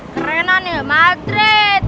kerenan ya madrid